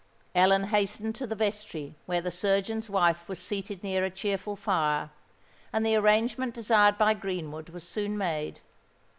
Ellen hastened to the vestry where the surgeon's wife was seated near a cheerful fire; and the arrangement desired by Greenwood was soon made.